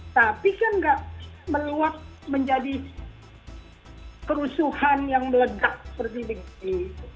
tapi kan nggak meluap menjadi kerusuhan yang meledak seperti di sini